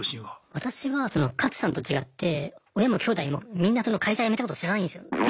私はカツさんと違って親もきょうだいもみんな会社辞めたこと知らないんですよ。